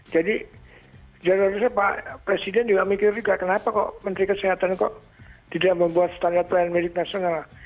jadi jangan lupa saya pak presiden juga mikir juga kenapa kok menteri kesehatan kok tidak membuat standar pelayanan medik nasional